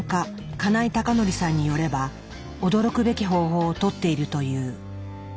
金井隆典さんによれば驚くべき方法を取っているという。